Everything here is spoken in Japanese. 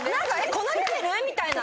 このレベル？みたいな。